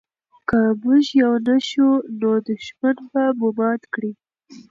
که موږ یو نه شو نو دښمن به مو مات کړي.